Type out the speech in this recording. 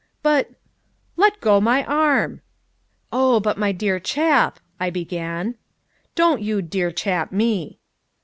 "But " "Let go my arm !" "Oh, but, my dear chap " I began. "Don't you dear chap me!"